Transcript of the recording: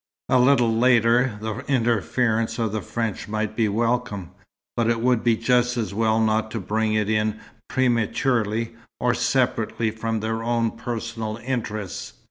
A little later, the interference of the French might be welcome, but it would be just as well not to bring it in prematurely, or separately from their own personal interests.